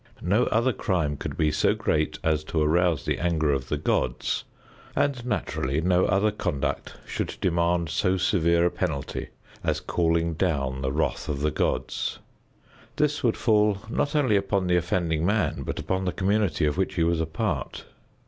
No other crime could be so great as to arouse the anger of the gods, and naturally no other conduct should demand so severe a penalty as calling down the wrath of the gods. This would fall not only upon the offending man, but upon the community of which he was a part.